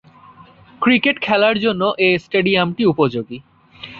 Cricket খেলার জন্য এ স্টেডিয়ামটি উপযোগী।